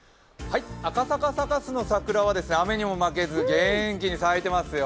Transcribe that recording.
赤坂サカスの桜は雨にも負けず元気に咲いていますよ。